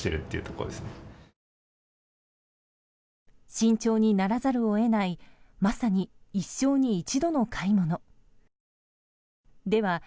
慎重にならざるを得ないまさに一生に一度の買い物。